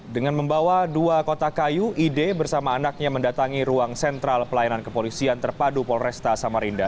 dengan membawa dua kotak kayu ide bersama anaknya mendatangi ruang sentral pelayanan kepolisian terpadu polresta samarinda